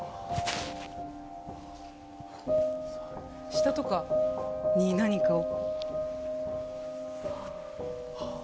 下とかに何かを。